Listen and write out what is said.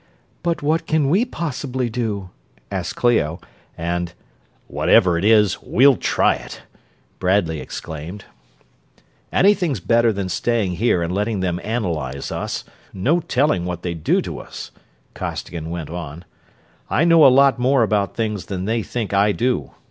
"But what can we possibly do?" asked Clio, and "Whatever it is, we'll try it!" Bradley exclaimed. "Anything's better than staying here and letting them analyze us no telling what they'd do to us," Costigan went on. "I know a lot more about things than they think I do.